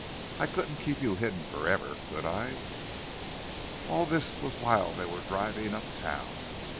I couldn't keep you hidden for ever, could I?" All this was while they were driving up town.